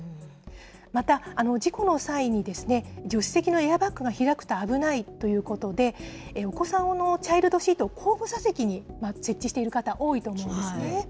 また、事故の際に、助手席のエアバッグが開くと危ないということで、お子さんのチャイルドシートを後部座席に設置している方多いと思うんですね。